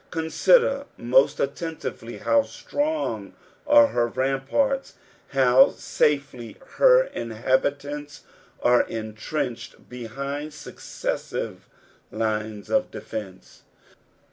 '''' Consider most attentively how strong are her ramparts, how safely her inhabitants are entrenched behind successive lines of defence.